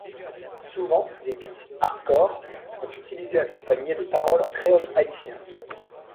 Souvent, des beats hardcore sont utilisés accompagnés de paroles en créole haïtien.